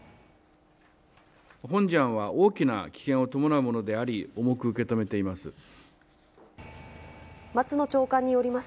本事案は大きな危険を伴うものであり、重く受け止めています。